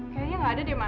kayaknya gak ada deh mak